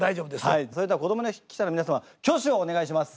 はいそれでは子ども記者の皆様挙手をお願いします。